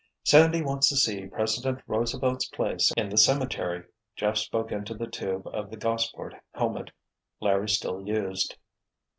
"Sandy wants to see President Roosevelt's place in the cemetery," Jeff spoke into the tube of the Gossport helmet Larry still used.